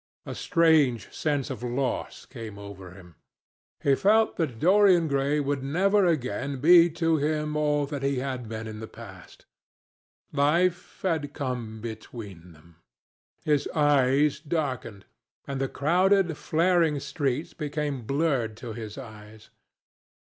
A strange sense of loss came over him. He felt that Dorian Gray would never again be to him all that he had been in the past. Life had come between them.... His eyes darkened, and the crowded flaring streets became blurred to his eyes.